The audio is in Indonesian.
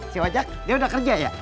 si wajak dia udah kerja ya